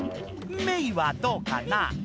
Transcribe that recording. メイはどうかな？